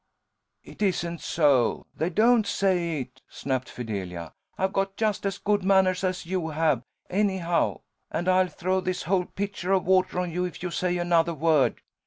'" "It isn't so! They don't say it!" snapped Fidelia. "I've got just as good manners as you have, anyhow, and I'll throw this whole pitcher of water on you if you say another word."